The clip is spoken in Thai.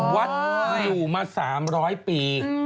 วัดอยู่มา๓๐๐ปี